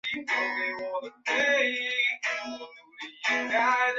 他们的另一职责是参与选举行政长官。